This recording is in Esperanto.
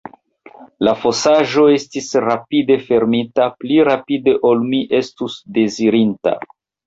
La fosaĵo estis rapide fermita, pli rapide ol mi estus dezirinta.